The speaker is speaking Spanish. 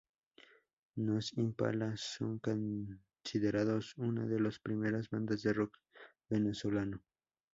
Los Impala son considerados una de las primeras bandas de rock venezolano.